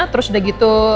terus udah gitu